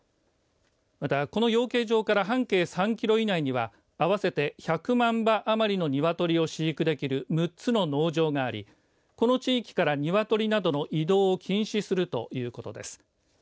また、この養鶏場から半径３キロ以内には合わせて１００万羽余りのニワトリを飼育できる６つの農場がありこの地域からニワトリなどの移動を禁止するということです。